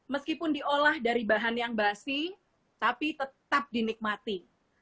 meskipun diolah dari bahan yang basi tapi tetap dinikmati